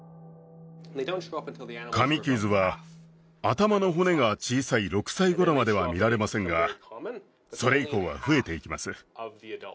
噛み傷は頭の骨が小さい６歳頃までは見られませんがそれ以降は増えていきます